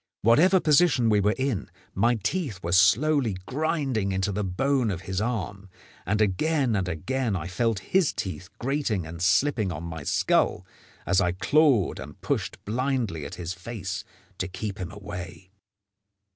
Whatever position we were in, my teeth were slowly grinding into the bone of his arm, and again and again I felt his teeth grating and slipping on my skull as I clawed and pushed blindly at his face to keep him away.